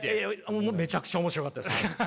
もうめちゃくちゃ面白かったです。